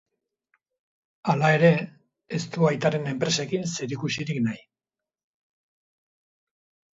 Hala ere, ez du aitaren enpresekin zerikusirik nahi.